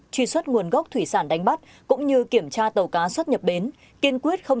truy xuất nguồn gốc thủy sản đánh bắt cũng như kiểm tra tàu cá xuất nhập bến kiên quyết không